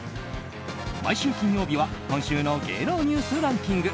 毎週金曜日は今週の芸能ニュースランキング。